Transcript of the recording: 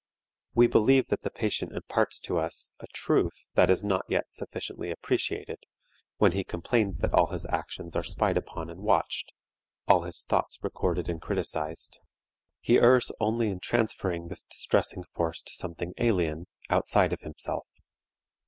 We believe that the patient imparts to us a truth that is not yet sufficiently appreciated, when he complains that all his actions are spied upon and watched, all his thoughts recorded and criticized. He errs only in transferring this distressing force to something alien, outside of himself.